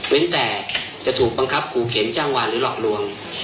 ไม่ได้ต้องถูกบังคับขู่เข็นจ้างหวานหรือหลอกลวง